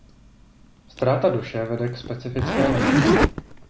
Ztráta duše vede k specifické nemoci.